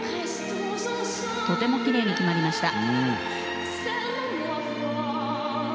とてもキレイに決まりました。